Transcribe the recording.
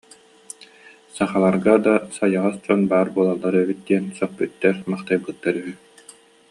Сахаларга да сайаҕас дьон баар буолаллар эбит диэн сөхпүттэр-махтайбыттар үһү